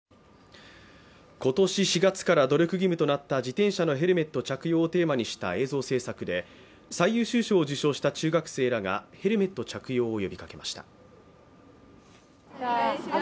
今年４月から努力義務となった自転車のヘルメット着用をテーマにした映像制作で最優秀賞を受賞した中学生らがヘルメット着用を呼びかけました。